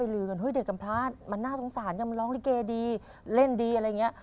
เล่นดีอะไรเงี้ย